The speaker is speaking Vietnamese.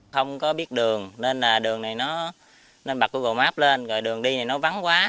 không có biết đường nên là đường này nó bật google maps lên rồi đường đi này nó vắng quá